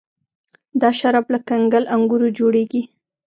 دا شراب له کنګل انګورو جوړیږي.